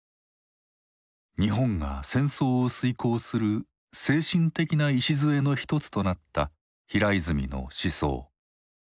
日本が戦争を遂行する精神的な礎の一つとなった平泉の思想。